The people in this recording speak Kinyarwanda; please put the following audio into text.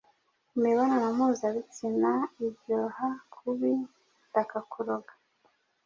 imibonano mpuzabitsina iryoha kubi ndakakuroga